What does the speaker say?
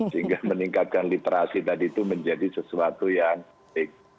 sehingga meningkatkan literasi tadi itu menjadi sesuatu yang baik